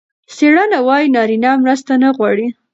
څېړنه وايي نارینه مرسته نه غواړي.